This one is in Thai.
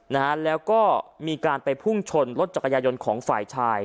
นะฮะแล้วก็มีการไปพุ่งชนรถจักรยายนต์ของฝ่ายชาย